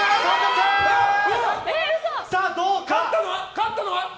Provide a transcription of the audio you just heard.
勝ったのは？